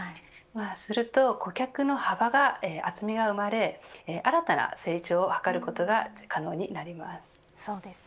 すると顧客の幅が厚みが生まれ新たな成長を図ることが可能になります。